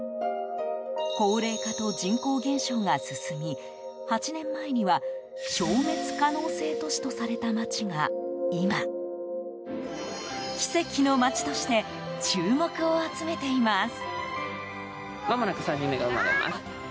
高齢化と人口減少が進み８年前には消滅可能性都市とされた町が、今奇跡の町として注目を集めています。